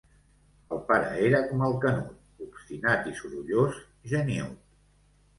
El pare era com el Canut, obstinat i sorollós, geniüt.